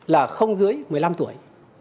là không dưới một mươi năm tuổi